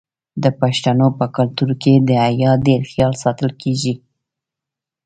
د پښتنو په کلتور کې د حیا ډیر خیال ساتل کیږي.